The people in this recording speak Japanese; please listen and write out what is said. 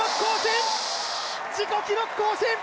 自己記録更新！